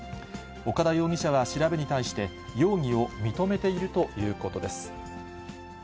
岡田容疑者は調べに対して、容疑を認めているということです。